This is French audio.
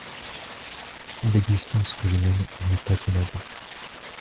L'existence que je mène n'est pas tenable.